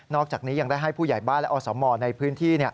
อกจากนี้ยังได้ให้ผู้ใหญ่บ้านและอสมในพื้นที่